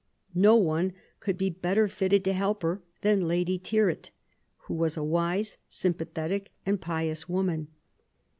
No one could be better fitted to help hter than Lady Tyrwhit, who was a wise, sympathetic and pious woman.